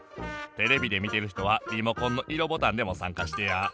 テレビでみてるひとはリモコンの色ボタンでもさんかしてや。